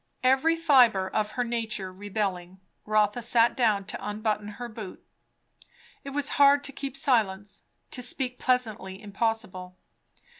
Every fibre of her nature rebelling, Rotha sat down to unbutton her boot. It was hard to keep silence, to speak "pleasantly" impossible.